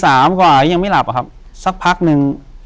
กุมารพายคือเหมือนกับว่าเขาจะมีอิทธิฤทธิ์ที่เยอะกว่ากุมารทองธรรมดา